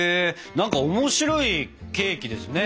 なんか面白いケーキですね。